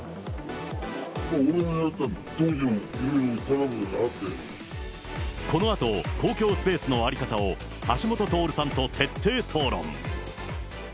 俺を狙ってたんだ、このあと、公共スペースの在り方を、橋下徹さんと徹底討論。